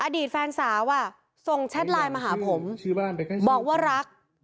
อดีตแฟนสาวอ่ะส่งแชทไลน์มาหาผมบอกว่ารัก